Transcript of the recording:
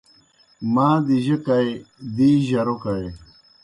ماں دِی جہ کھائی، دی جرو کائی